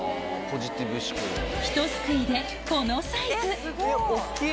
ひとすくいでこのサイズ大っきい！